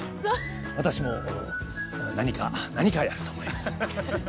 私も何か何かやると思います。